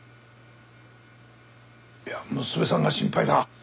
娘さんが心配だ。